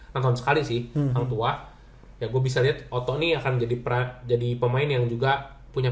nonton sekali sih yang tua ya gue bisa lihat otok nih akan jadi pra jadi pemain yang juga punya